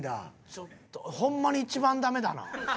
ちょっとホンマに一番ダメだな。